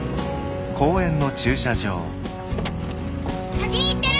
先に行ってる！